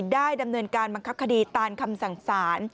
ได้ดำเนินการบังคับคดีตามคำสั่งสาร